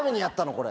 これ。